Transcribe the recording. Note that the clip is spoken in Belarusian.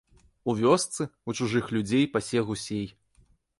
У вёсцы, у чужых людзей пасе гусей.